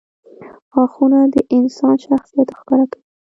• غاښونه د انسان شخصیت ښکاره کوي.